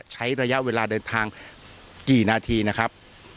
ใช้ระยะเวลาเดินทางกี่นาทีนะครับ